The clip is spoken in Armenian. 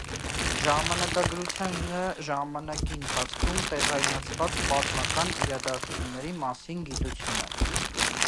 Ժամանակագրությունը ժամանակի ընթացքում տեղայնացված պատմանական իրադարձությունների մասին գիտություն է։